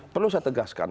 perlu saya tegaskan